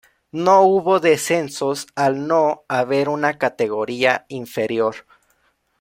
No hubo descensos al no haber una categoría inferior.